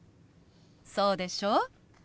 そうでしょ？